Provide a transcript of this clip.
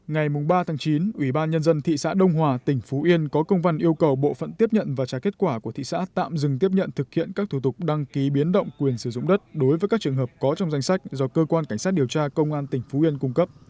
ngày ba chín ủy ban nhân dân thị xã đông hòa tỉnh phú yên có công văn yêu cầu bộ phận tiếp nhận và trả kết quả của thị xã tạm dừng tiếp nhận thực hiện các thủ tục đăng ký biến động quyền sử dụng đất đối với các trường hợp có trong danh sách do cơ quan cảnh sát điều tra công an tỉnh phú yên cung cấp